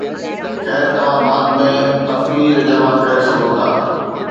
خير، توهان بعد ۾ تفويض جمع ڪري سگهو ٿا